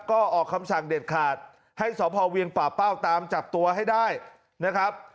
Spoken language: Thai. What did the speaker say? ก็ออกคำสั่งเด็ดขาดให้สพเวียงป่าเป้าตามจับตัวให้ได้นะครับ